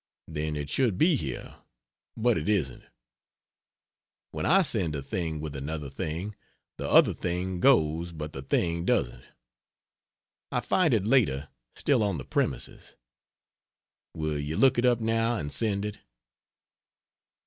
Then it should be here but it isn't, when I send a thing with another thing, the other thing goes but the thing doesn't, I find it later still on the premises. Will you look it up now and send it?